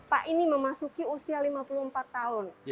pak ini memasuki usia lima puluh empat tahun